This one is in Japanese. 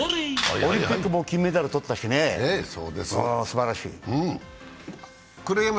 オリンピックも金メダル取ったしね、すばらしい。